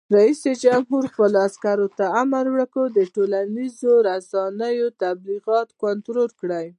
رئیس جمهور خپلو عسکرو ته امر وکړ؛ د ټولنیزو رسنیو تبلیغات کنټرول کړئ!